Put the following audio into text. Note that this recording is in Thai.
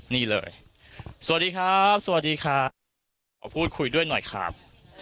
นี่เลยสวัสดีครับสวัสดีครับขอพูดคุยด้วยหน่อยครับ